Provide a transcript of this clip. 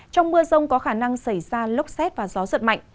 trong mưa rông có khả năng xảy ra lốc xét và gió giật mạnh